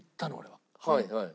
はいはい。